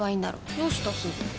どうしたすず？